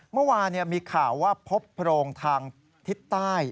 เมื่อวานมีข่าวว่าพบโพรงทางทิศใต้